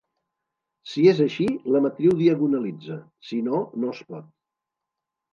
Si és així, la matriu diagonalitza, si no, no es pot.